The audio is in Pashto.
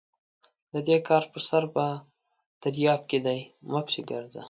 د دې کار سر په درياب کې دی؛ مه پسې ګرځه!